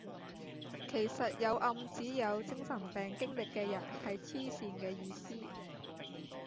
其實有暗指有精神病經歷嘅人係痴線嘅意思